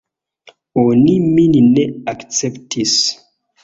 Oni min ne akceptis.